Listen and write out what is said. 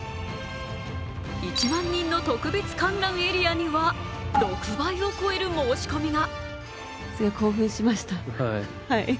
１万人の特別観覧エリアには６倍を超える申し込みが。